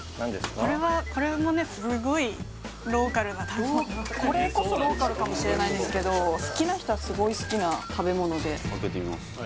これはこれはもうねすごいローカルなこれこそローカルかもしれないんですけど好きな人はすごい好きな食べ物で開けてみます